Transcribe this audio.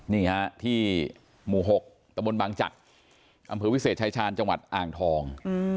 นี่ฮะที่หมู่๖ตะบนบางจักรอำเภอวิเศษชายชาญจังหวัดอ่างทอง